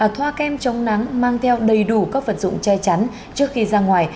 thoa kem chống nắng mang theo đầy đủ các vật dụng che chắn trước khi ra ngoài